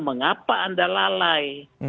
mengapa anda lalai